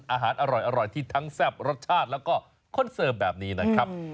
อาหารอร่อยที่ทั้งแซ่บรสชาติแล้วก็คอนเสิร์ฟแบบนี้นะครับ